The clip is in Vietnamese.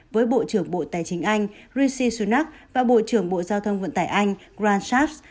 với bộ trưởng bộ tài chính anh rishi sunak và bộ trưởng bộ giao thông vận tải anh granchas